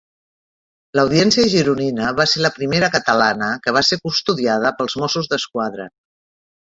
L'Audiència gironina va ser la primera catalana que va ser custodiada pels Mossos d'Esquadra.